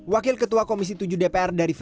wakil ketua komisi tujuh dpr dari vat